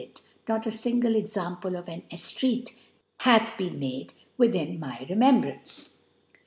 it, not a fmgle Example of an E .ftreat hath been made within my Rcmemf . brance.